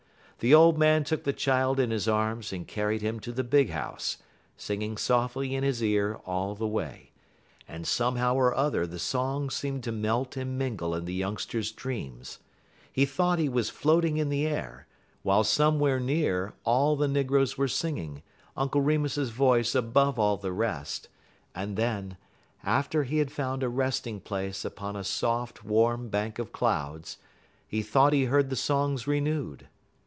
The old man took the child in his arms and carried him to the big house, singing softly in his ear all the way; and somehow or other the song seemed to melt and mingle in the youngster's dreams. He thought he was floating in the air, while somewhere near all the negroes were singing, Uncle Remus's voice above all the rest; and then, after he had found a resting place upon a soft warm bank of clouds, he thought he heard the songs renewed.